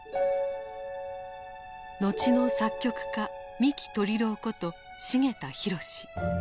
後の作曲家三木鶏郎こと繁田裕司。